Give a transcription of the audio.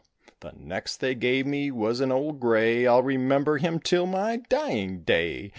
The next they gave me was an old gray, I'll remember him till my dying day.